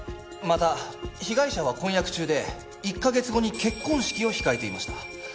また被害者は婚約中で１カ月後に結婚式を控えていました。